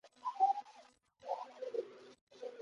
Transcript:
Which shot, if any, shows "reality" is left unclear.